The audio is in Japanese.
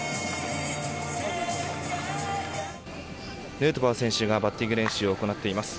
ヌートバー選手がバッティング練習を行っています。